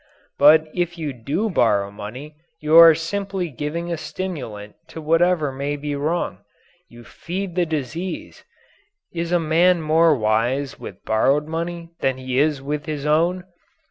But if you do borrow money you are simply giving a stimulant to whatever may be wrong. You feed the disease. Is a man more wise with borrowed money than he is with his own?